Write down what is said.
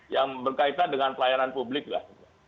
yang berkaitan dengan pelayanan publik lah